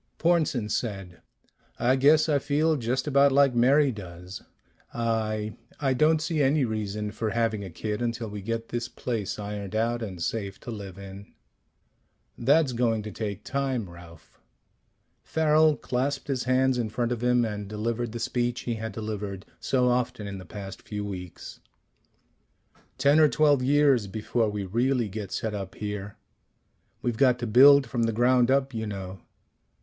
Pornsen said, "I guess I feel just about like Mary does. I I don't see any reason for having a kid until we get this place ironed out and safe to live in." "That's going to take time, Ralph." Farrel clasped his hands in front of him and delivered the speech he had delivered so often in the past few weeks. "Ten or twelve years before we really get set up here. We've got to build from the ground up, you know.